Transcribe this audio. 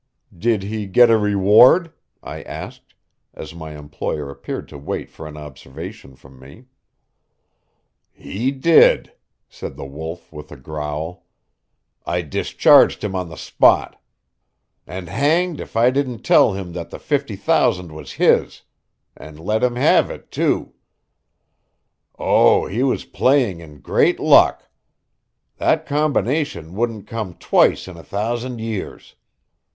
"Did he get a reward?" I asked, as my employer appeared to wait for an observation from me. "He did," said the Wolf with a growl. "I discharged him on the spot. And hanged if I didn't tell him that the fifty thousand was his and let him have it, too. Oh, he was playing in great luck! That combination wouldn't come twice in a thousand years.